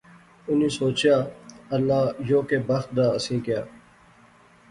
انی سوچیا اللہ یو کہہ بخت دا اسیں کیا